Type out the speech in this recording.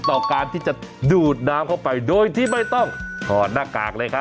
ต่อการที่จะดูดน้ำเข้าไปโดยที่ไม่ต้องถอดหน้ากากเลยครับ